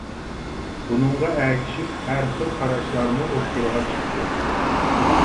بۇنىڭغا ئەگىشىپ ھەر خىل قاراشلارمۇ ئوتتۇرىغا چىقتى.